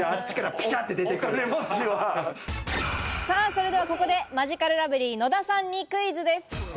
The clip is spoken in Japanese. それはここでマヂカルラブリー野田さんにクイズです。